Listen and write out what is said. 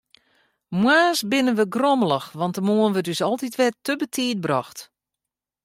Moarns binne wy grommelich, want de moarn wurdt ús altyd wer te betiid brocht.